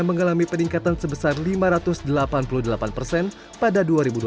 mengalami peningkatan sebesar lima ratus delapan puluh delapan persen pada dua ribu dua puluh